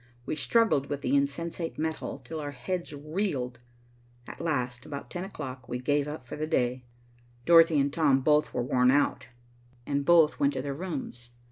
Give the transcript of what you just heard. We struggled with the insensate metal till our heads reeled. At last, about ten o'clock, we gave up for the day. Dorothy and Tom both were worn out, and both went to their rooms.